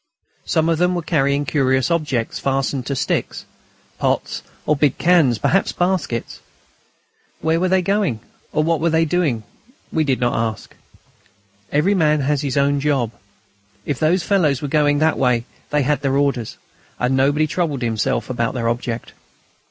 Some of them were carrying curious objects fastened to sticks: pots or big cans, perhaps baskets. Where they were going or what they were doing we did not ask. Every man has his own job; if those fellows were going that way they had their orders, and nobody troubled himself about their object.